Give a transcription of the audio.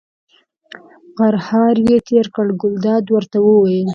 غرهار یې تېر کړ، ګلداد ورته وویل.